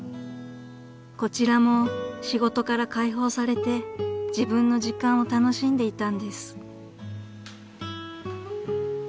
［こちらも仕事から解放されて自分の時間を楽しんでいたんです］